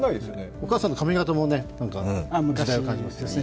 お母さんの髪形も時代を感じますね。